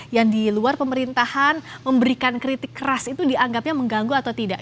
yang di luar pemerintahan memberikan kritik keras itu dianggapnya mengganggu atau tidak